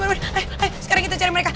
ayo sekarang kita cari mereka